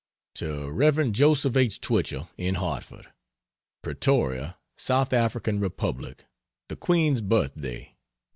To Rev. Jos. H. Twichell, in Hartford: PRETORIA, SOUTH AFRICAN REPUBLIC, The Queen's Birthday, '96.